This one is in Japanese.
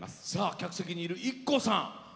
客席にいるＩＫＫＯさん。